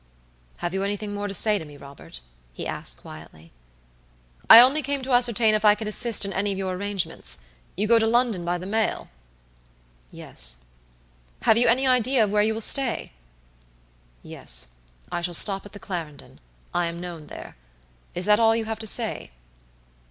"Have you anything more to say to me, Robert?" he asked, quietly. "I only came to ascertain if I could assist in any of your arrangements. You go to London by the mail?" "Yes." "Have you any idea of where you will stay." "Yes, I shall stop at the Clarendon; I am known there. Is that all you have to say?"